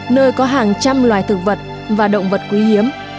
nơi có hàng trăm loài thực vật và động vật quý hiếm